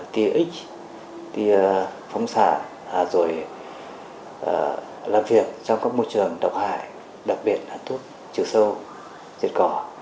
tx phóng xạ rồi làm việc trong các môi trường độc hại đặc biệt là thuốc trừ sâu diệt cỏ